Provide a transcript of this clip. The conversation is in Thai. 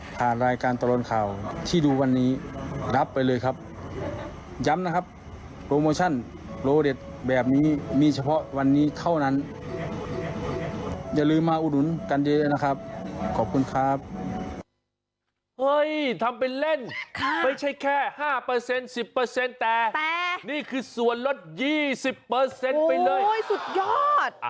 แต่นี่คือส่วนลด๒๐เปอร์เซ็นต์ไปเลยโอ้ยสุดยอด